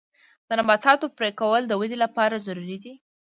د نباتاتو پرې کول د ودې لپاره ضروري دي.